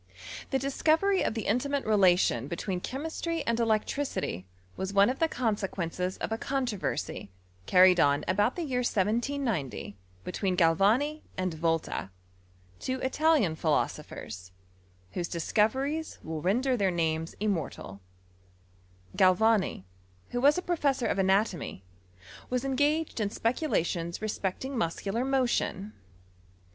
The discovery of the intimate relation between chemistry and electricity was one of the conse* quesDces of a controversy carried on about the year 1790 between Galvani aiid Volta, two ItaHan phi* losophers, whose discoveries will render their names iaimortaL GiaWani, who was a professor of anatomy^ iMus esfegaged in. speculations respecting musetdar motion.